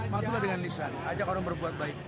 bantulah dengan lisan ajak orang berbuat baik